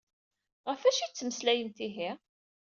Ɣef acu i ad tettmeslayemt ihi?